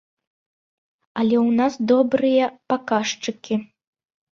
Але ў нас добрыя паказчыкі.